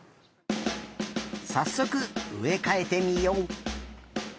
さっそくうえかえてみよう。